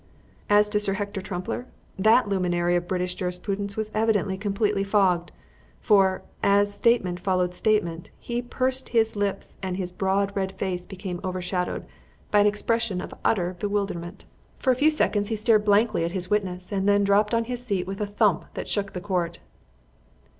As to Sir Hector Trumpler, that luminary of British jurisprudence was evidently completely fogged; for, as statement followed statement, he pursed up his lips and his broad, red face became overshadowed by an expression of utter bewilderment. For a few seconds he stared blankly at his witness and then dropped on to his seat with a thump that shook the court.